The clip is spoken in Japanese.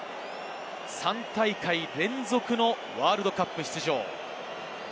３大会連続のワールドカップ出場。